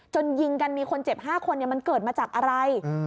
ยิงกันมีคนเจ็บ๕คนมันเกิดมาจากอะไร